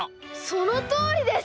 そのとおりです！